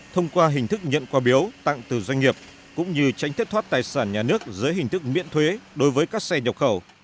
thông qua hình thức nhận quà biếu tặng từ doanh nghiệp cũng như tránh thất thoát tài sản nhà nước dưới hình thức miễn thuế đối với các xe nhập khẩu